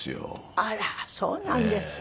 あらそうなんですか。